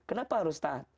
kenapa harus taat